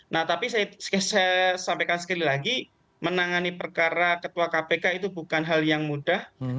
nah tapi saya sampaikan sekali lagi menangani perkara ketua kpk itu bukan hal yang mudah